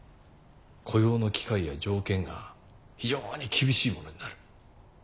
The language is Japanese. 雇用の機会や条件が非常に厳しいものになる。